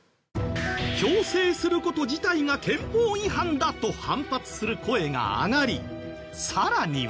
強制する事自体が憲法違反だと反発する声が上がりさらには。